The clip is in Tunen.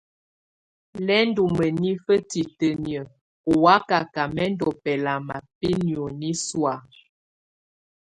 Lɛ́ ndù mǝnifǝ titǝniǝ́ ù wakaka mɛ ndù bɛlama bɛ nioni sɔ̀á.